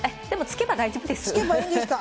でも、つけば大丈夫です。